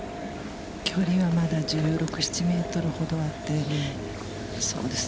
距離はまだ１６７メートルほどあって。